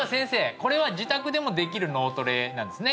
これは自宅でもできる脳トレなんですね